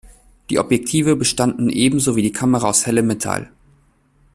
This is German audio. Die Objektive bestanden ebenso wie die Kamera aus hellem Metall.